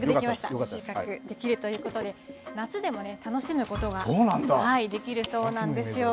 収穫できるということで夏でも楽しむことができるそうなんですよ。